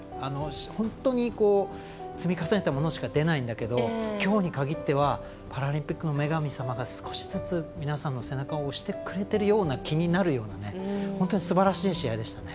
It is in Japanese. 本当に積み重ねたものしか出ないんだけどきょうに限ってはパラリンピックの女神様が少しずつ、皆さんの背中を押してくれているような気になるような本当にすばらしい試合でしたね。